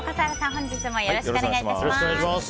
本日もよろしくお願いいたします。